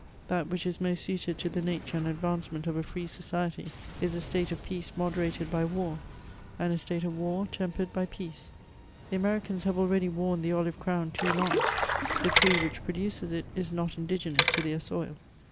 That which is most suited to the nature and advancement of a iree society, is a state of peace moderated by war, and a state of war tempered by peace. The Americans have already worn the olive crown too long ; the tree which produces it is not u;idigenous to their soil.